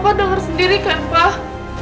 papa denger sendiri kan pak